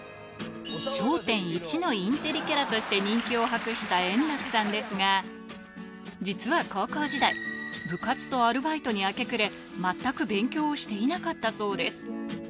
笑点一のインテリキャラとして、人気を博した円楽さんですが、実は高校時代、部活とアルバイトに明け暮れ、全く勉強をしていなかったそうです。